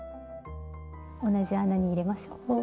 同じ穴に入れましょう。